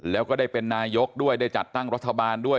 แล้วก็ได้เป็นนายกด้วยได้จัดตั้งรัฐบาลด้วย